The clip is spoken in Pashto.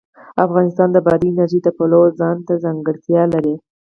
افغانستان د بادي انرژي د پلوه ځانته ځانګړتیا لري.